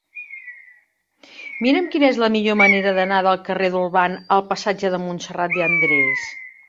Mira'm quina és la millor manera d'anar del carrer d'Olvan al passatge de Montserrat de Andrés.